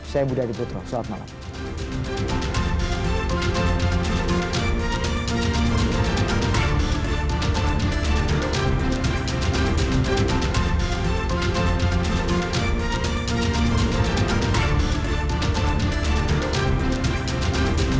saya budi adiputro selamat malam